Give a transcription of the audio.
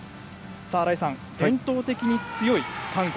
新井さん、伝統的に強い韓国